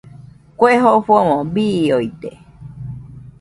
Kue jofomo biooide.